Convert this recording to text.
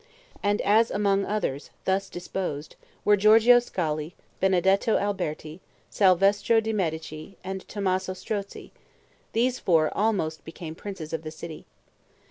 And as among others, thus disposed, were Giorgio Scali, Benedetto Alberti, Salvestro di Medici, and Tommaso Strozzi, these four almost became princes of the city.